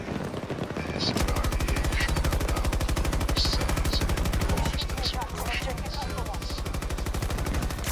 This variation allows for more precise and nuanced expression in sentences.